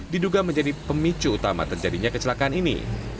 diduga menjadi pemicu utama terjadinya kecelakaan ini